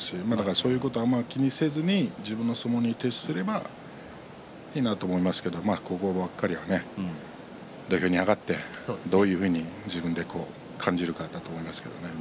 そういうことはあまり気にせずに自分の相撲に徹すればいいなと思いますけれどもこればかりは土俵に上がってどういうふうに自分で感じるかだと思いますけれども。